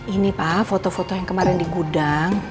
ini pak foto foto yang kemarin di gudang